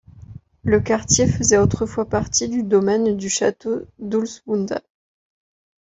Le quartier faisait autrefois partie du domaine du château d'Ulvsunda.